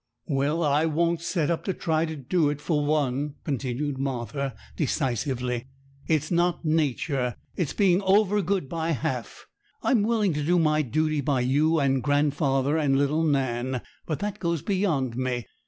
'Well, I won't set up to try to do it for one,' continued Martha decisively; 'it's not nature; it's being over good by half. I'm willing to do my duty by you and grandfather and little Nan; but that goes beyond me.